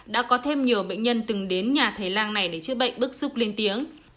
đã có thêm nhiều bệnh nhân từng đến nhà thầy lang này để chữa bệnh bức xúc lên tiếng